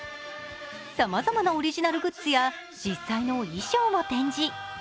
さまざまなオリジナルグッズや実際の衣装を展示。